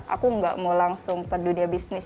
aku nggak mau langsung peduli bisnis